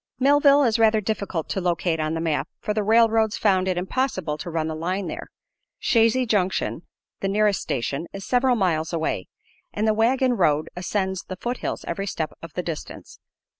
Millville is rather difficult to locate on the map, for the railroads found it impossible to run a line there, Chazy Junction, the nearest station, is several miles away, and the wagon road ascends the foothills every step of the distance.